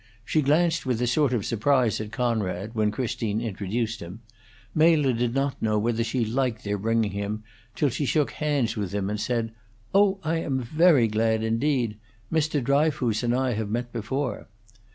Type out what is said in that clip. She glanced with a sort of surprise at Conrad, when Christine introduced him; Mela did not know whether she liked their bringing him, till she shook hands with him, and said: "Oh, I am very glad indeed! Mr. Dryfoos and I have met before."